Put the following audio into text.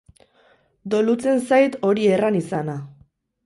Dolutzen zait hori erran izana.